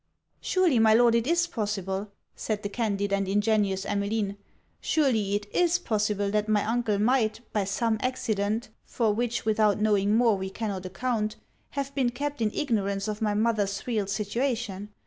'Surely, my Lord, it is possible,' said the candid and ingenuous Emmeline 'surely it is possible that my uncle might, by some accident, (for which without knowing more we cannot account) have been kept in ignorance of my mother's real situation.